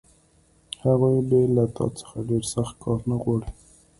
هغوی به له تا څخه ډېر سخت کار نه غواړي